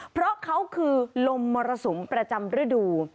เพราะเขาคือลมมรสุมประจำฤดู